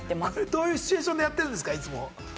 どういうシチュエーションでやってるんですか？